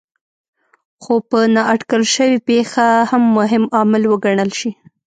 خو په نااټکل شوې پېښې هم مهم عامل وګڼل شي.